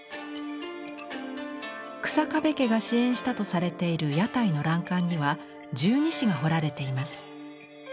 日下部家が支援したとされている屋台の欄干には十二支が彫られています。